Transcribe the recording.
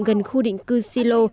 gần khu định cư silo